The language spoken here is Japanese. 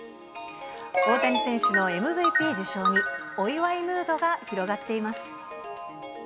大谷選手のＭＶＰ受賞に、お祝いムードが広がっています。